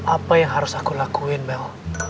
apa yang harus aku lakuin bel